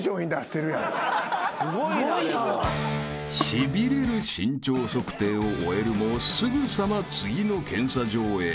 ［しびれる身長測定を終えるもすぐさま次の検査場へ］